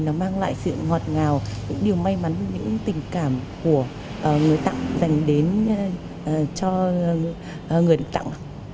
nó mang lại sự ngọt ngào những điều may mắn những tình cảm của người tặng dành đến cho người được tặng